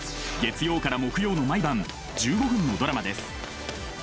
月曜から木曜の毎晩１５分のドラマです。